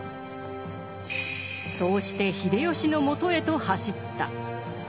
そうして秀吉の元へと走った。